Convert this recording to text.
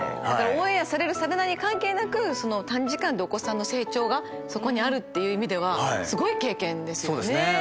だからオンエアされるされないに関係なく短時間でお子さんの成長がそこにあるっていう意味ではすごい経験ですよね。